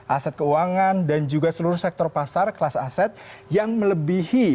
aset keuangan dan juga seluruh sektor pasar kelas aset yang melebihi